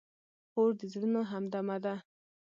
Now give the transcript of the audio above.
خور د زړونو همدمه ده.